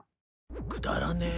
くだらねえ。